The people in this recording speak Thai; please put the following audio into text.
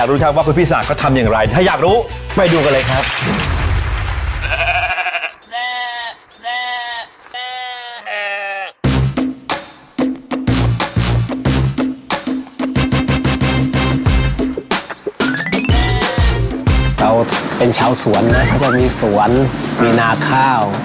เราเป็นชาวสวนนะเขาจะมีสวนมีนาข้าว